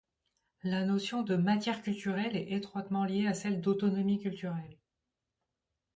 La notion de matière culturelle est étroitement liée à celle d'autonomie culturelle.